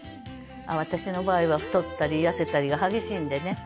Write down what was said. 私の場合は太ったり痩せたりが激しいんでね。